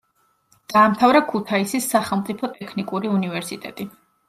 დაამთავრა ქუთაისის სახელმწიფო ტექნიკური უნივერსიტეტი.